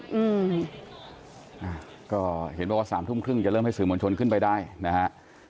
อ่าก็เห็นว่า๓๓๐จะเริ่มให้สื่อมวลชนขึ้นไปได้นะคะ